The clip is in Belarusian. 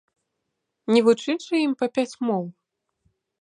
Не вучыць жа ім па пяць моў?